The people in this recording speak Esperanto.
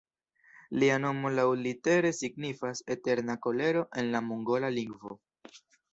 Lia nomo laŭlitere signifas "Eterna Kolero" en la mongola lingvo.